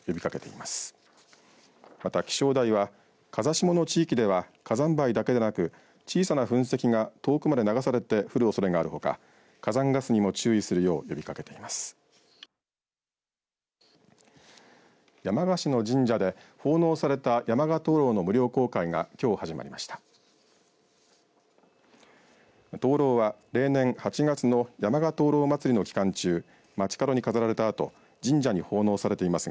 また、気象台は、風下の地域では火山灰だけでなく小さな噴石が遠くまで流されて降るおそれがあるほか火山ガスにも注意するよう呼びかけています。